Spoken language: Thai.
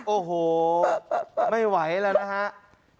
โอ้โหไม่ไหวแล้วนะฮะ